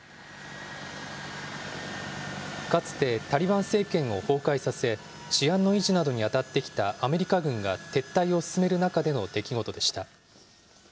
かつてタリバン政権を崩壊させ、治安の維持などに当たってきたアメリカ軍が撤退を進める中での出来事でした。